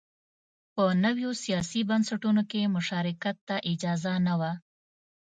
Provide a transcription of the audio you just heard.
په نویو سیاسي بنسټونو کې مشارکت ته اجازه نه وه